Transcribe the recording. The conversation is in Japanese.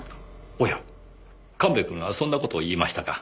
おや神戸君がそんな事を言いましたか。